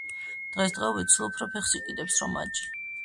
დღესდღეობით სულ უფრო ფეხს იკიდებს რომაჯი.